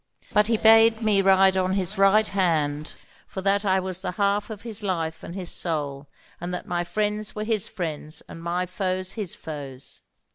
But he bade me ride on his right hand, for that I was the half of his life and his soul, and that my friends were his friends and my foes his foes.